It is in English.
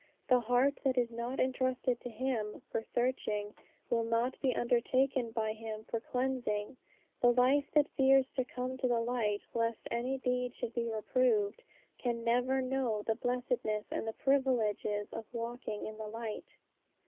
The heart that is not entrusted to Him for searching, will not be undertaken by Him for cleansing; the life that fears to come to the light lest any deed should be reproved, can never know the blessedness and the privileges of walking in the light.